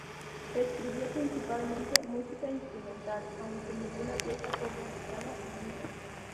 Escribió principalmente música instrumental, aunque ninguna pieza fue publicada en vida.